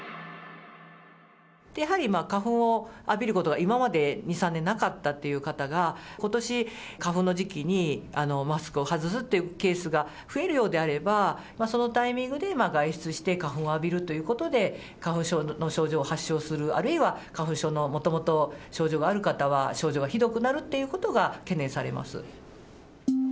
やはり花粉を浴びることが今まで２、３年なかったという方が、ことし、花粉の時期にマスクを外すっていうケースが増えるようであれば、そのタイミングで外出して、花粉を浴びるということで、花粉症の症状を発症する、あるいは花粉症のもともと症状がある方は、症状がひどくなるということが懸念されます。